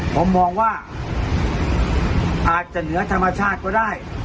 ผมมองว่าอาจจะเหนือธรรมชาติก็ได้